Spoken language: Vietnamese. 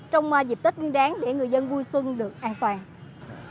trong dịp tết nguyên đáng để người dân vui xuân được an toàn